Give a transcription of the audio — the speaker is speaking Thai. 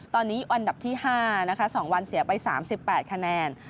ตอนนี้อันดับที่๕นะคะ๒วันเสียไป๓๘คะแนน